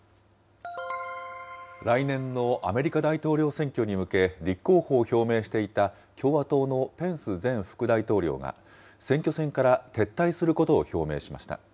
来年のアメリカ大統領選挙に向け立候補を表明していた共和党のペンス前副大統領が、選挙戦から撤退することを表明しました。